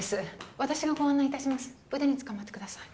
私がご案内いたします腕につかまってください